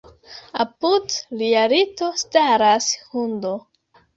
Apud lia lito staras hundo.